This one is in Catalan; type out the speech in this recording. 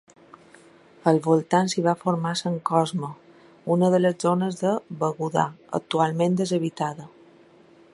Al voltant s'hi va formar Sant Cosme, una de les zones de Begudà, actualment deshabitada.